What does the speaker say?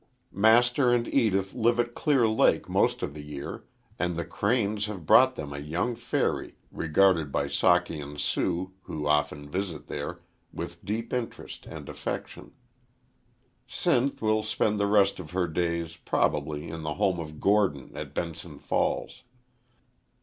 Master and Edith live at Clear Lake most of the year, and the cranes have brought them a young fairy regarded by Socky and Sue, who often visit there, with deep interest and affection. Sinth will spend the rest of her days, probably, in the home of Gordon at Benson Falls.